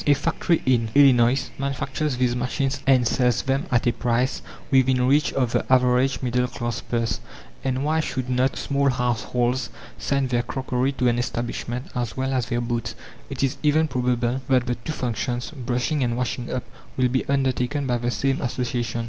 A factory in Illinois manufactures these machines and sells them at a price within reach of the average middle class purse. And why should not small households send their crockery to an establishment as well as their boots? It is even probable that the two functions, brushing and washing up, will be undertaken by the same association.